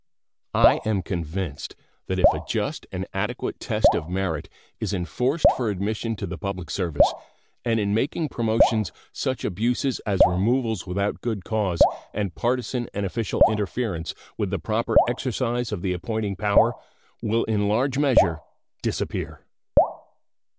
I am convinced that if a just and adequate test of merit is enforced for admission to the public service and in making promotions such abuses as removals without good cause and partisan and official interference with the proper exercise of the appointing power will in large measure disappear.